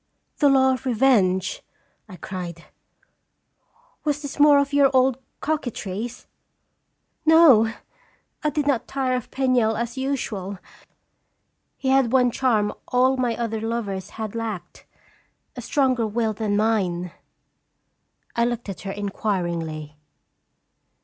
"The law of re venge!" I cried. "Was this more of your old coquetries?" " No ; I did not tire of Penniel as usual. He had one charm all my other lovers had lacked : a stronger will than mine." I looked at her inquiringly.